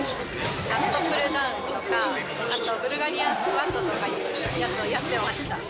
ラットプルダウンとか、あとブルガリアンスクワットとか、やってました。